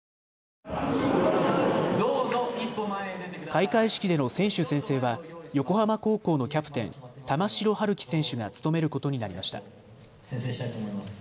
開会式での選手宣誓は横浜高校のキャプテン、玉城陽希選手が務めることになりました。